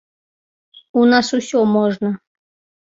У нас усё можна.